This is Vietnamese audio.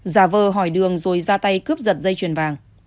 giả vờ hỏi đường rồi ra tay cướp giật dây chuyền vàng